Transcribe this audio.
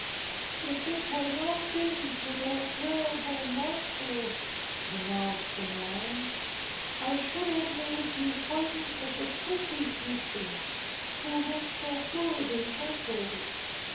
"If it had not been for that terrible monster," the Mouse went on, "I should have made the acquaintance of the pretty creature, who looked so good and gentle.